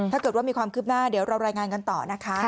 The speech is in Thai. ถ้าเกิดว่ามีความคืบหน้าเดี๋ยวเรารายงานกันต่อนะคะ